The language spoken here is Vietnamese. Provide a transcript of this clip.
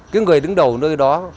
cái người đứng đầu nơi đó